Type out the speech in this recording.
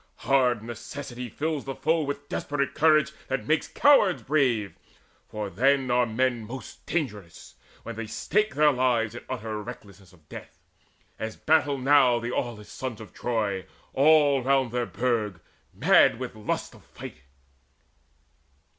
Hard necessity fills the foe With desperate courage that makes cowards brave; For then are men most dangerous, when they stake Their lives in utter recklessness of death, As battle now the aweless sons of Troy All round their burg, mad with the lust of fight."